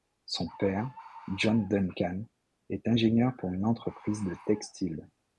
Son père, John Duncan, est ingénieur pour une entreprise de textile.